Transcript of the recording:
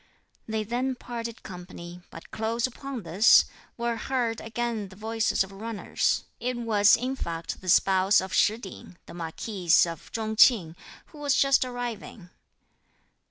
They then parted company, but close upon this, were heard again the voices of runners. It was, in fact, the spouse of Shih Ting, the marquis of Chung Ching, who was just arriving.